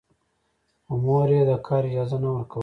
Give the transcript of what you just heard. خو مور يې د کار اجازه نه ورکوله.